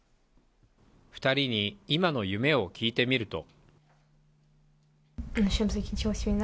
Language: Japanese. ２人に今の夢を聞いてみると。